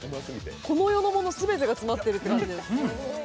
この世のもの全てが詰まっているっていう感じです。